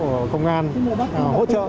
của quốc cũng đã tham gia hỗ trợ